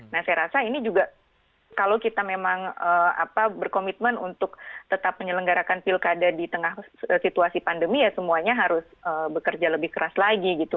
nah saya rasa ini juga kalau kita memang berkomitmen untuk tetap menyelenggarakan pilkada di tengah situasi pandemi ya semuanya harus bekerja lebih keras lagi gitu